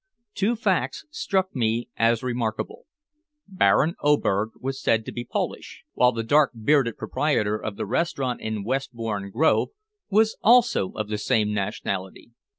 Two facts struck me as remarkable: Baron Oberg was said to be Polish, while the dark bearded proprietor of the restaurant in Westbourne Grove was also of the same nationality.